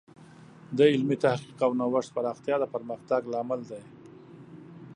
د علمي تحقیق او نوښت پراختیا د پرمختګ لامل دی.